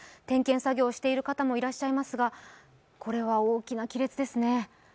点検作業をしている方もいらっしゃいますが、これは大きな亀裂ですね。